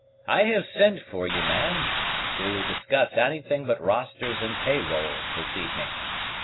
I have sent for you, man; to discuss anything but rosters and pay rolls this evening.